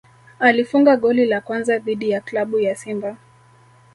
alifunga goli la kwanza dhidi ya klabu ya Simba